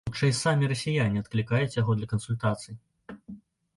Хутчэй самі расіяне адклікаюць яго для кансультацый.